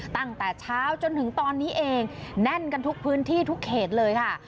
ตั้งแต่เช้าจนถึงตอนนี้เองแน่นกันทุกพื้นที่ทุกเขตเลยค่ะ